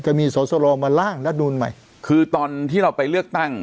จะมีสอสรมาล่างรัฐนูลใหม่คือตอนที่เราไปเลือกตั้ง